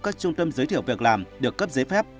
các trung tâm giới thiệu việc làm được cấp giấy phép